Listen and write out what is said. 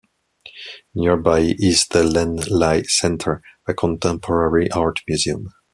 Nearby is the Len Lye Centre a contemporary art museum.